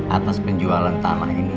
atas penjualan tamah ini